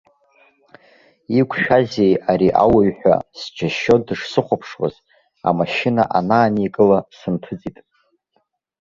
Иқәшәазеи ари ауаҩ ҳәа, сџьашьо дышсыхәаԥшуаз, амашьына анааникыла, сынҭыҵит.